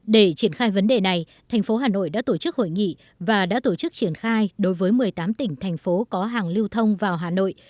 để triển khai vấn đề này thành phố hà nội đã tổ chức hội nghị và đã tổ chức triển khai đối với một mươi tám tỉnh thành phố có hàng lưu thông vào hà nội